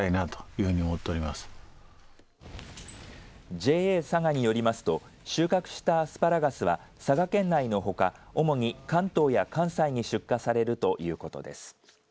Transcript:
ＪＡさがによりますと収穫したアスパラガスは佐賀県内のほか主に関東や関西に出荷されるということです。